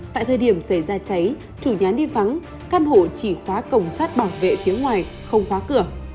tại thời điểm xảy ra cháy chủ nhà đi vắng căn hộ chỉ khóa cổng sát bảo vệ phía ngoài không khóa cửa